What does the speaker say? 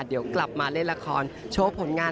เดี๋ยวกลับมาเล่นละครโชว์ผลงาน